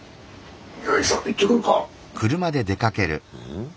ん？